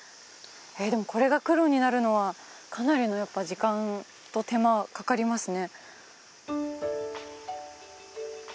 これが黒になるのはかなりのやっぱ時間と手間はかかりますね